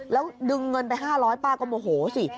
แล้วดึงเงินไป๕๐๐ป้าก็โมโหสิ